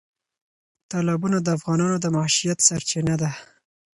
تالابونه د افغانانو د معیشت سرچینه ده.